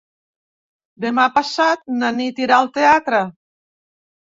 Demà passat na Nit irà al teatre.